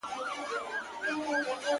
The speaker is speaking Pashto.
نه خبر په پاچهي نه په تدبير وو-